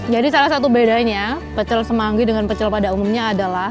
jadi salah satu bedanya pecel semanggi dengan pecel pada umumnya adalah